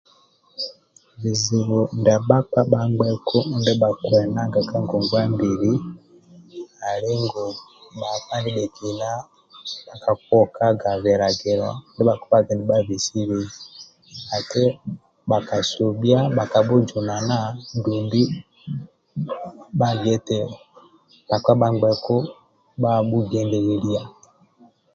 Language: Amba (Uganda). Bizibu ndia bhakpa bhangbeku ndibhakuenaga ka ngonguwa mbili ali ngu bhakpa ndibhekina bhakakuokaga bilagilo ndibhakibhaga nibhakisebe ati bhakasobhia bhakabhujunana, dumbi bhagia eti bhakpa bhangbeku bhabhugendelelia